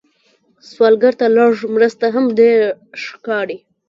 سوالګر ته لږ مرسته هم ډېره ښکاري